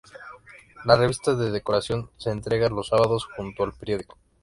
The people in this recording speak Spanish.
La revista de decoración se entrega los sábados junto al periódico.